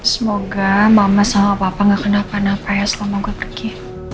semoga mama sama papa gak kenakan apa ya selama gue pergi